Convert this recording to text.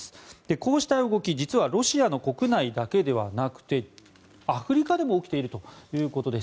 こうした動きはロシアの国内だけではなくてアフリカでも起きているということです。